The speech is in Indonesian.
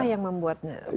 apa yang membuatnya begitu